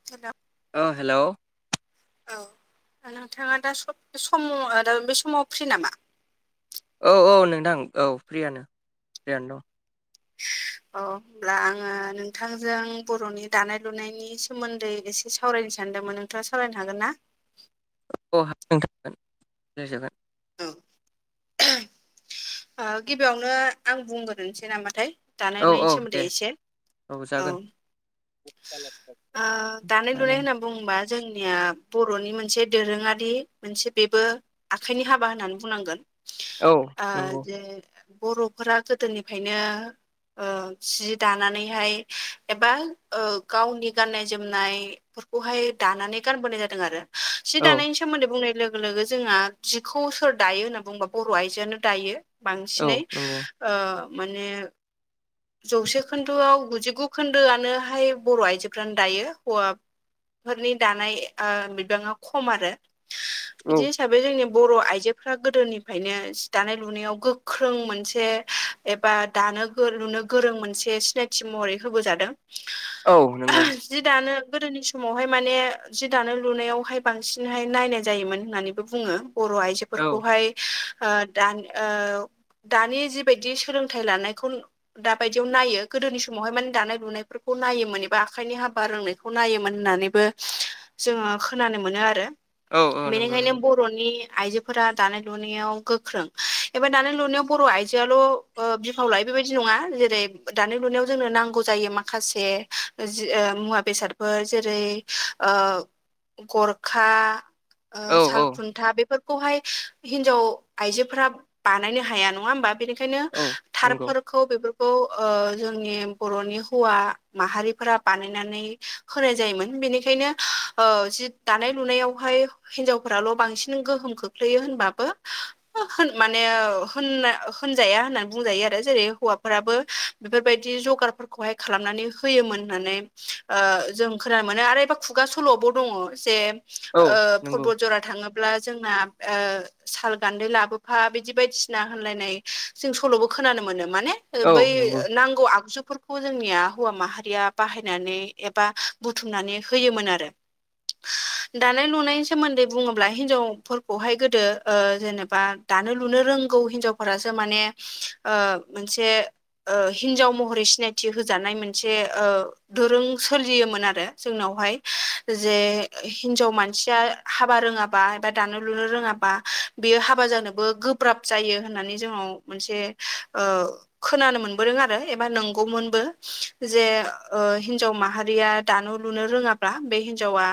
[unintelligible] अ hello. औ नोंथाङा दा सम सम दा बे समाव फ्रि नामा? औ औ नोंथां औ फ्रियानो फ्रियानो दं। औ होमब्ला आङो नोंथांजों बर'नि दानाय लुनायनि सोमोन्दै एसे एसे सावरायनो सानदोमोन नोंथाङा सावरायनो हागोन ना? औ हागोन नोंथां हागोन सावरायजागोन। औ। ओ गिबियावनो आं बुंग्रोनोसै नामाथाय? औ औ दानाय-लुनायनि दे सोमोन्दै एसे। औ। आ दानाय-लुनाय होनना बुंबा जोंनिया बर'नि मोनसे दोरोङारि मोनसे बेबो आखाइनि हाबा होननानै बुंनांगोन औ ओ नंगौ जे बर'फोरा गोदोनिफ्रायनो ओ जि दानानैहाय एबा ओ गावनि गाननाय-जोमनाय फोरखौहाय दानानै गानबोनाय जादों आरो। जि औ दानायनि सोमोन्दै बुंनाय लोगो लोगो जोंहा जिखौ सोर दायो होनना बुङोबा बर' आइजोआनो दायो औ बांसिनै नंगौ ओ माने जौसे खोन्दोआव गुजिगु खोन्दोआनोहाय बर' आइजोफ्रानो दायो हौवा फोरनि दानाय ओ बिबाङा खम आरो। औ बिदि हिसाबै जोंनि बर' आइजोफ्रा गोदोनिफ्रायनो दानाय-लुनायाव गोख्रों मोनसे एबा दानो लुनो गोरों मोनसे सिनायथि महरै होबोजादों। औ नंगौ। जि दानो गोदोनि समावहाय माने जि दानो लुनायावहाय बांसिनहाय नायनाय जायोमोन होननानैबो बुङो। बर' औ आइजोफोरखौहाय ओ दानि ओ दानि जिबादि सोलोंथाइ लानायखौ दा बायदियाव नायो गोदोनि समावहाय माने दानाय लुनायफोरखौ नायोमोन एबा आखाइनि हाबा रोंनायखौ खौ नायोमोन होननानैबो जोङो खोनानो मोनो आरो। औ औ नंगौ बेनिखायनो नंगौ बर'नि आइजोफोरा दानाय लुनायाव गोख्रों। दानाय-लुनायाव बर' आइजोआल' ओ बिफाव लायो बे बायदि नङा जेरै- दानाय-लुनायाव जोंनो नांगौ जायो मा माखासे जि ओ मुवा बेसादफोर जेरै- ओ गरखा, ओ औ औ साल खुन्था बेफोरखौहाय हिन्जाव आइजोफोरा बानायनो हाया नङा होमबा। बेनिखायनो औ नंगौ थारफोर खौ बेफोरखौ ओ जोंनि बर'नि हौवा माहारिफोरा बानायनानै होनाय जायोमोन। बेनिखायनो ओ जि दानाय लुनायावहाय हिनजावफोराल' बांसिन गोहोम खोख्लैयो होनबाबो माने होन-होनजाया होननानै बुंजायो आरो। जेरै- हौवाफोराबो बेफोरबायदि जगार खौहाय खालामनानै होयोमोन होननानै ओ जों खोनानो मोनो आरो एबा खुगा सल'बो दङ जे औ ओ नंगौ परबटजरा थाङोब्ला जोंना ओ साल गान्दै लाबो बिदि बायदिसिना होनलायनाय जों सल'बो खोनानो मोनो। माने ओ औ बै नंगौ नांगौ आगजुफोरखौ खौ जोंनिया हौवा माहारिया बाहायनानै एबा बुथुमनानै होयोमोन आरो। दानाय-लुनायनि सोमोन्दै बुङोब्ला हिनजावफोरखौहाय गोदो ओ जेनेबा दानो लुनो रोंगौ हिन्जावफोरासो माने ओ मोनसे ओ हिन्जाव महरै सिनायथि होजानाय मोनसे ओ दोरों सोलियोमोन आरो जोंनावहाय जे हिन्जाव मानसिया हाबा रोङाबा एबा दानो लुनो रोङाबा बेयो हाबा जानो बो गोब्राब जायो होननानै जोंनाव मोनसे ओ खोनानो मोनबोदों आरो एबा नंगौमोनबो। जे ओ हिनजाव माहारिया दानो लुनो रोङाब्ला बे हिनजावा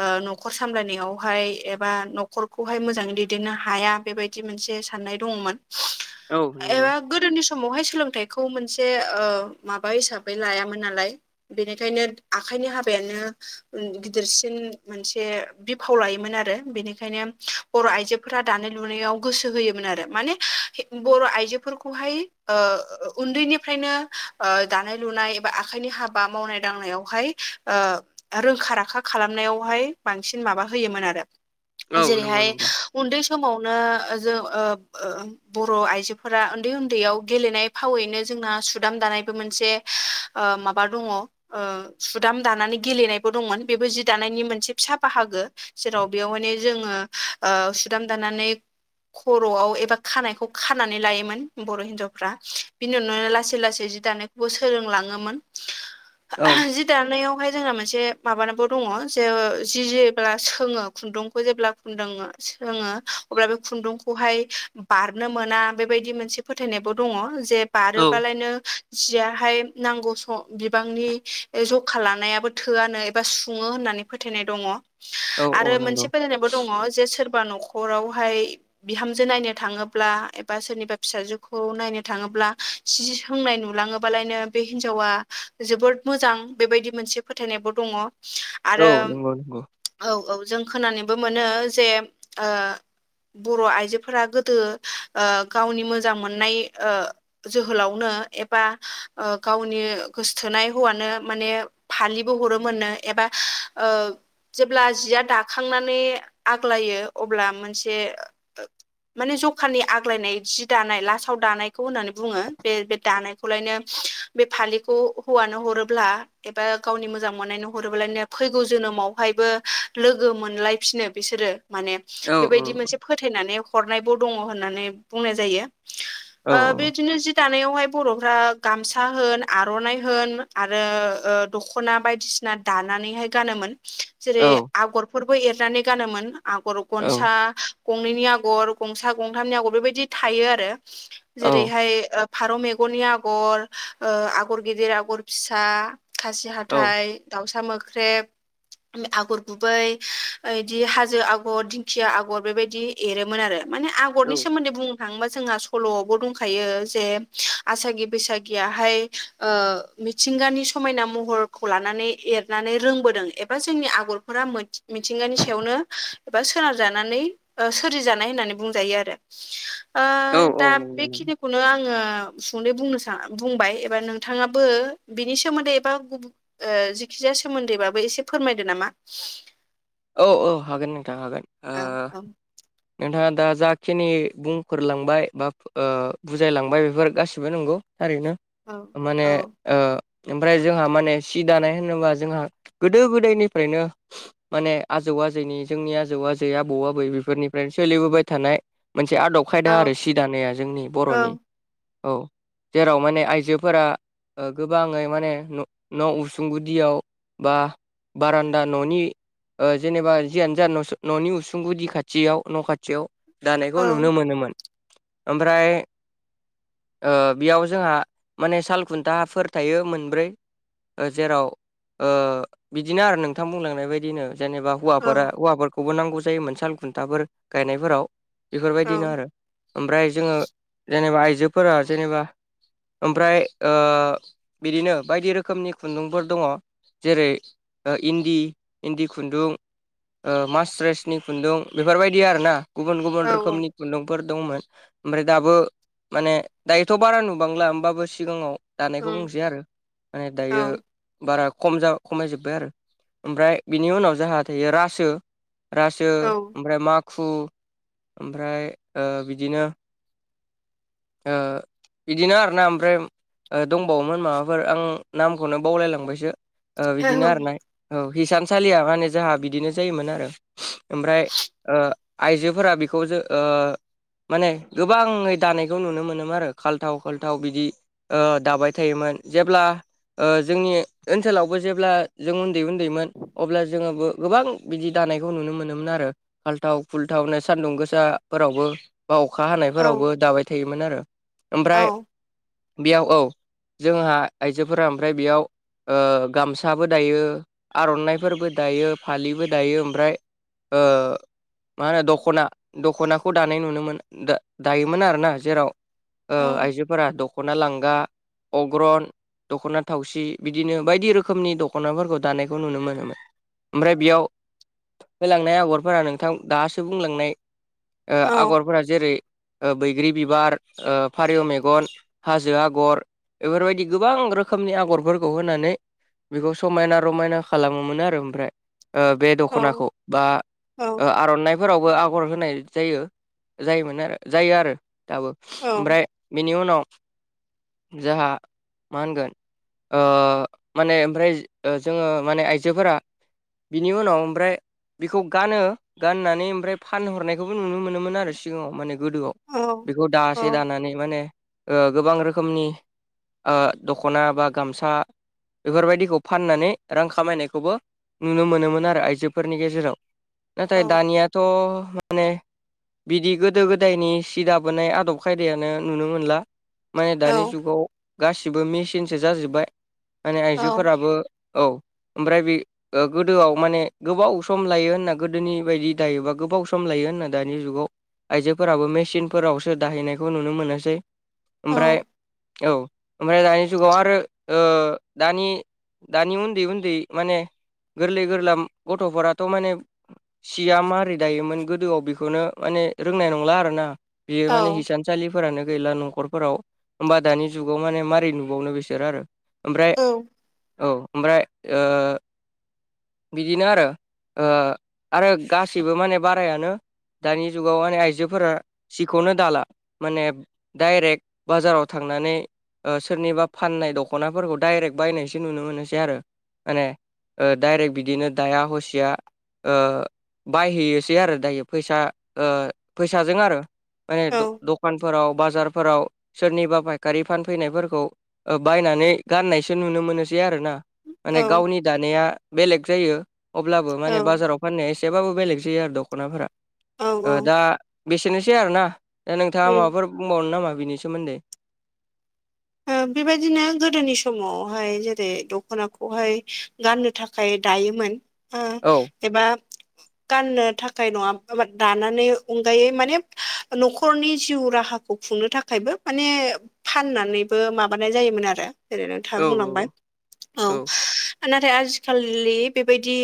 ओ न'खर सामलायनायावहाय एबा न खरखौहाय मोजाङै दैदेननो हाया। बेबायदि मोनसे साननाय दङमोन। औ ओ नंगौ गोदोनि समावहाय सोलोंथाइखौ मोनसे ओ माबा हिसाबै लायामोन नालाय बेनिखायनो आखाइनि हाबायानो ओ गिदिरसिन मोनसे बिफाव लायोमोन आरो। बेनिखायनो बर' आइजोफोरा दानाय-लुनायाव गोसो होयोमोन आरो माने बर' आइजोफोरखौहाय ओ उन्दैनिफ्रायनो ओ दानाय लुनाय एबा आखाइनि हाबा मावनाय दांनायावहाय ओ रोंखा राखा खालामनायावहाय बांसिन माबा होयोमोन आरो। औ नंगौ जेरैहाय नंगौ उन्दै समावनो जों ओ ओ बर' आइजोफोरा उन्दै उन्दैयाव गेलेनाय फावैनो जोंना सुदाम दानायबो मोनसे ओ माबा दङ। ओ सुदाम दानानै गेलेनायबो दंमोन बेबो जि दानायनि मोनसे फिसा बाहागो। जेराव बेयावहायनो जोङो ओ सुदाम दानानै खर'आव एबा खानायखौ खानानै लायोमोन बर' हिन्जावफ्रा बिनि उनावनो लासै लासै जि दानाय बो सोलोंलाङोमोन। औ जि दानायावहाय जोंना मोनसे माबानाबो दङ जे जि जि जेब्ला सोङो खुन्दुंखौ जेब्ला खुन्दुं सोङो अब्ला बे खुन्दुं खौहाय बारनो मोना बेबायदि मोनसे फोथायनायबो दङ जे औ बारोबालायनो जियाहाय नांगौ स' बिबांनि जखा लानायाबो थोआनो एबा सुङो होननानै फोथायनाय दङ औ आरो मोनसे नंगौ फोथायनायबो दङ जे सोरबा न'खरावहाय बिहामजो नायनो थाङोब्ला एबा सोरनिबा फिसाजोखौ नायनो थाङोब्ला सि सोंनाय नुलाङोबालायनो बे हिनजावा जोबोद मोजां बेबायदि मोनसे फोथायनायबो दङ। औ आरो नंगौ नंगौ औ औ जों खोनानोबो मोनो जे ओ बर' आइजोफोरा गोदो ओ गावनि मोजां मोननाय ओ जोहोलावनो एबा ओ गावनि गोसोथोनाय हौवानो माने फालिबो हरोमोननो एबा ओ जेब्ला जिया दाखांनानै आग्लायो अब्ला मोनसे माने जखानि आग्लायनाय जि दानाय, लासाव दानायखौ होननानै बुङो बे बे दानायखौलायनो बे फालिखौ हौवानो हरोब्ला एबा गावनि मोजां मोननायनो हरोब्लालायनो फैगौ जोनोमावहायबो लोगो मोनलायफिनो बिसोरो माने। औ बेबायदि मोनसे फोथायनानै हरनायबो दङ होननानै बुंनाय जायो। औ ओ बेदिनो जि दानायावहाय बर'फ्रा गामसा होन आर'नाइ होन आरो ओ दख'ना बायदिसिना दानानैहाय गानोमोन। जेरै आगरफोरबो एरनानै गानोमोन आगर गनसा गंनैनि आगर, गंसा गंथामनि आगर बेबायदि थायो आरो औ जेरैहाय ओ फारौ मेगननि आगर, ओ आगर गिदिर, आगर फिसा, खासि हाथाय, दाउसा मोख्रेब, आगर गुबै ओ इदि हाजो आगर, दिंखिया आगर, बेबायदि एरोमोन आरो माने आगरनि सोमोन्दै बुं थांङोबा जोंहा सल'आवबो दंखायो जे आसागि बैसागियाहाय ओ मिथिंगानि समायना महरखौ लानानै एरनानै रोंबोदों एबा जोंनि आगरफोरा मिथिंगानि सायावनो एबा सोनारजानानै ओ सोरजिजानाय होननानै बुंजायो आरो। ओ औ औ दा नंगौ बेखिनिखौनो आङो सुंदयै बुंनो सा बुंबाय एबा नोंथाङाबो बिनि सोमोन्दै एबा गुबुन ओ जिखिजाया सोमोन्दैबाबो एसे फोरमायदो नामा। औ औ हागोन नोंथां हागोन। ओ ओं औ नोंथाङा दा जाखिनि बुंफोरलांबाय बा ओ बुजायलांबाय बेफोर गासिबो नंगौ थारैनो औ माने ओ ओमफ्राय जोंहा माने सि दानाय होनोबा जोंहा गोदो गोदायनिफ्रायनो माने आजौ आजैनि जोंनि आजौ आजै आबौ आबै बेफोरनिफ्रायनो सोलिबोबाय थानाय मोनसे आदब औ खायदा आरो सि दानाया जोंनि औ बर'नि औ। जेराव माने आइजोफोरा ओ गोबाङै माने न' न' उसुं गुदियाव बा बारान्दा न'नि ओ जेनेबा जियानो जा न'नि उसुं गुदि खाथियाव न' खाथियाव दानायखौ नुनो औ मोनोमोन ओमफ्राय बियाव जोंहा माने सालखुन्थाफोर थायो मोनब्रै ओ जेराव ओ बिदिनो आरो नोंथां बुंलांनाय बायदि दिनो जेनेबा औ हौवाफोरा हौवाफोरखौबो नांगौ जायोमोन साल खुन्थाफोर गायनायफोराव बेफोरबायदिनो औ आरो ओमफ्राय जोङो जेनेबा आइजोफोरा जेनेबा ओमफ्राय बिदिनो बायदि रोखोमनि खुन्दुंफोर दङ जेरै ओ इन्दि इन्दि खुन्दुं ओ मास्रेसनि खुन्दुं बेफोरबायदि आरो ना गुबुन औ गुबुन रोखोमनि खुन्दुंफोर दंमोन ओमफ्राय दाबो माने दायोथ' बारा नुबांला होमबाबो सिगाङाव दानायखौ ओं बुंसै आरो माने दायो औ बारा खम खमायजोब्बाय आरो ओमफ्राय बिनि उनाव जाहा थायो रासो रासो औ ओमफ्राय माग खु ओमफ्राय बिदिनो ओ बिदिनो आरोना ओमफ्राय ओ दंबावोमोन माबाफोर आं नामखौनो बावलायलांबायसो ओ बिदिनो आर ना औ हिसानसालिया माने जोंहा बिदिनो जायोमोन आरो ओमफ्राय ओ आइजोफोरा बेखौ जो ओ माने गोबाङै दानाय बेखौ नुनो मोनोमोन आरो खाल्थाव खाल्थाव बिदि ओ दाबाय थायोमोन जेब्ला ओ जोंनि ओनसोलावबो जेब्ला जों उन्दै उन्दैमोन अब्ला जोङोबो गोबां बिदि दानायखौ नुनो मोनोमोन आरो खाल्थाव खुल्थाव नै सान्दुं गोसाफोरावबो बा अखा औ हानायफोरावबो दाबाय थायोमोन आरो औ ओमफ्राय बेयाव औ जोंहा आइजोफोरा ओमफ्राय बेयाव ओ गामसाबो दायो आर'नाइफोरबो दायो फालिबो दायो ओमफ्राय ओ मा होनो दख'ना दख'नाखौ दानाय नुनो दायोमोन आरोना जेराव आइजोफोरा दख'ना लांगा अग्रन दख'ना थावसि बिदिनो बायदि रोखोमनि दख'नाफोरखौ दानायखौ नुनो मोनोमोन ओमफ्राय बियाव होलांनाय आगरफोरा नोंथां दासो बुंलांनाय ओ औ आगरफोरा जेरै बैग्रि बिबार औ फारेव मेगन हाजो आगर इफोरबायदि गोबां रोखोमनि आगरफोरखौ होनानै बेखौ समायना रमायना खालामोमोन आरो ओमफ्राय ओ बे औ दख'नाखौ बा औ आर'नाय फोरावबो आगर होनाय जायो जायोमोन आरो जायो आरो दाबो औ ओमफ्राय बेनि उनाव जोंहा मा होनगोन ओ माने ओमफ्राय जो जोङो माने आइजोफोरा बिनि उनाव ओमफ्राय बिखौ गानो गाननानै ओमफ्राय फानहरनायखौबो नुनो मोनोमोन आरो सिगाङाव माने गोदोआव बिखौ दासे दानानै माने ओ गोबां रोखोमनि दख'ना बा गामसा बेफोरबायदिखौ फाननानै रां खामायनायखौबो नुनो मोनोमोन आरो आइजोफोरनि गेजेराव नाथाय दानियाथ' माने बिदि गोदो गोदायनि सिदा दाबोनाय आदब खायदायानो नुनो मोनला माने औ दानि जुगाव गासिबो मेसिनसो जाजोब्बाय माने आइजोफोराबो औ ओमफ्राय बे ओ गोदोआव माने गोबाव सम लायो होनना गोदोनि बायदि दायोबा गोबाव सम लायो होनना दानि जुगाव आइजोफोराबो मेसिनफोरावसो दाहैनायखौ नुनो मोनोसै ओमफ्राय औ ओमफ्राय दानि जुगाव आरो दानि दानि उन्दै उन्दै माने गोरलै गोरलाम गथ'फोराथ' माने सिया मारै दायोमोन गोदोआव बेखौनो माने रोंनाय नंला आरो ना बियो माने औ इसान इसान सालिफोरानो गैला न'खरफोराव होमबा दानि जुगाव माने माबोरै नुबावनो बिसोरो आरो ओमफ्राय औ ओमफ्राय बिदिनो आरो ओ गासिबो माने बारायानो दानि जुगाव माने आइजोफोरा सिखौनो दाला माने डाइरेक्ट बाजाराव थांनानै सोरनिबा फाननाय दख'नाफोरखौ डाइरेक्ट बायनायसो नुनो मोनोसै आरो माने दडाइरेक्ट बिदिनो दाया हसिया बायहैयोसै आरो दायो फैसा फैसाजों आरो माने दखानफोराव बाजारफोराव सोरनिबा फायखारि फानफैनायफोरखौ बायनानै गाननायसो नुनो मोनोसै आरो ना माने गावनि दानाया बेलेग जायो अब्लाबो माने बाजाराव फाननाया एसेबाबो बेलेग जायो आरो दख'नाफोरा औ दा बेसेनोसै आरो ना दा नोंथाङा उम माबाफोर बुंबावनो नामा बिनि सोमोन्दै ओ बेबायदिनो गोदोनि समावहाय जेरै दख'नाखौहाय गाननो थाखाय थाखाय दायोमोन ओ औ एबा गाननो थाखाय नङाबाबो दानानै अनगायै माने न'खरनि जिउ राहाखौ खौ खुंनो थाखायबो माने फाननानै बो माबानाय जायोमोन आरो जेरै नोंथाङा औ बुंलांबाय औ नाथाय आजिखालिलि बेबायदि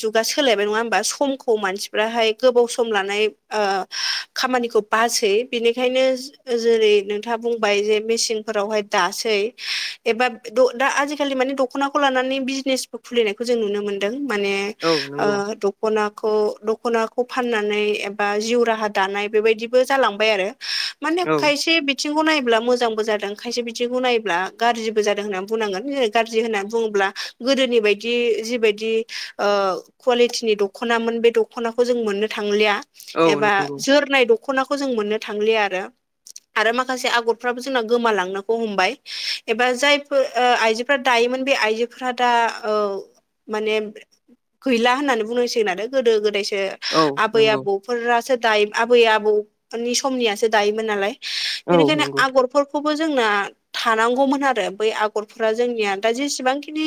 जुगा सोलायबाय नङा होमबा समखौ मानसिफोरा ओमफ्रायो गोबाव सम लानाय खामानिखौ बासै बिनिखायनो जेरै नोंथाङा बुंबाय जे मेसिन फोलावबाय दासै एबा दा आजि खालि माने दख'नाखौ लानानै बिजने खुलिनायखौ जों नुनो मोनदों माने औ नंगौ दखनाखौ दख'नाखौ फाननानै एबा जिउ राहा दानाय बेबायदिबो जालांबाय आरो। माने औ खायसे बिथिंखौ नायोब्ला मोजांबो जादों खायसे बिथिंखौ नायोबब्ला गाज्रिबो जादों होननानै बुंनांगोन गाज्रि होननानै बुङोब्ला गोदोनि बायदि जिबायदि ओ कुवालिटिनि दख'नाामोन बे दख'नाखौ जों मोननो थांलिया औ एबा नंगौ जोरनाय दख'नाखौ दखनाखौ जों मोननो थांलि आरो माखासे आगरफ्राबो जोंना गोमालाङो- हमबाय एबा जायफोर आइजोफोरा दायोमोन बे आइजोफोरा दा माने गैला होननानै बुंनोसिगोन आरो गोदो गोदायसो औ आबै नंगौ आबौफोरासो दायो आबै आबौनि समनियासो दायोमोन नालाय। औ बेनिखायनो नंगौ आगरफोरखौबो जोंना थानांगौमोन आरो बै आगरफोरा जोंनिया दा जेसेबांखिनि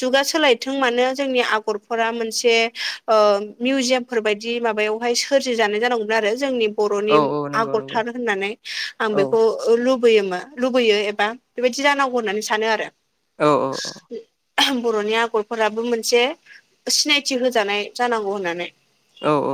जुगा सोलायथों मानो जोंनि आगर आगरफोरा मोनसे मिउजियामफोर बायदि माबायावहाय सोरजि जानाय जानांगौमोन आरो जोंनि- औ बर'नि औ नंगौ नंगौ आगरथार होननानै आं औ बेखौ लुबैयोमोन। लुबैयो एबा बेबायदि जानांगौ होननानै सानो आरो औ औ औ बर'नि आगरफोराबो मोनसे सिनायथि होजानाय जानांगौ होननानै। औ औ